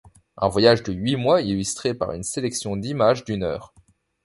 Un voyage de huit mois illustré par une sélection d’images d’une heure.